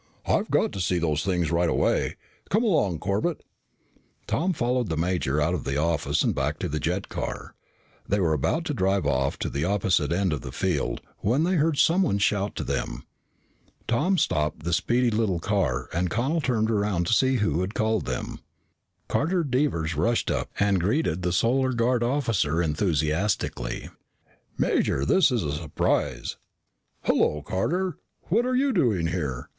"I've got to see those things right away. Come along, Corbett." Tom followed the major out of the office and back to the jet car. They were about to drive off to the opposite end of the field when they heard someone shout to them. Tom stopped the speedy little car and Connel turned around to see who had called them. Carter Devers rushed up and greeted the Solar Guard officer enthusiastically. "Major, this is a surprise." "Hello, Carter. What are you doing here?"